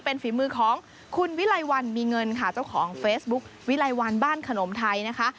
เป็นฝีมือของคุณวิไลวันมีเงินค่ะเจ้าของเฟซบุ๊ควิไลวันบ้านขนมไทยนะคะ